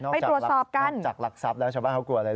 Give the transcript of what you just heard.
ไปตรวจสอบกันจากหลักทรัพย์แล้วชาวบ้านเขากลัวอะไร